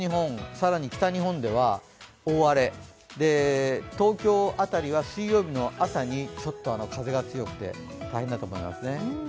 更に北日本では大荒れ東京辺りは水曜日の朝に風が強くて大変だと思いますね。